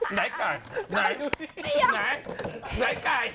ไหนไก่ร้ายไหนไก่